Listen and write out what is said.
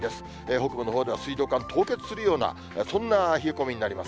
北部のほうでは水道管凍結するような、そんな冷え込みになります。